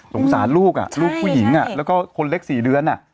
สงสารลูกลูกผู้หญิงแล้วก็คนเล็ก๔เดือน